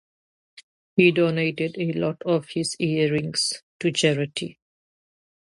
He donated a lot of his earnings to charity.